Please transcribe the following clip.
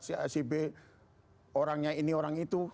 si acb orangnya ini orang itu